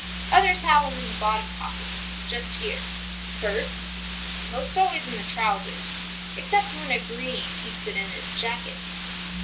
Others have 'em in the bottom pocket. Just here. Purse most always in the trousers, except when a greeny keeps it in his jacket.